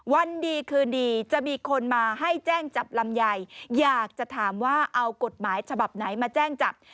วันดีคืนดีจะมีคนมาให้แจ้งจับลำไยอยากจะถามว่าเอากฎหมายฉบับไหนมาแจ้งจับ